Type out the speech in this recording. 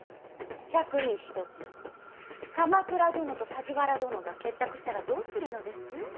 百に一つ鎌倉殿と梶原殿が結託したらどうするのです。